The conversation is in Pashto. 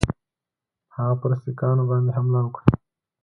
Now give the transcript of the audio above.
هغه پر سیکهانو باندي حمله وکړي.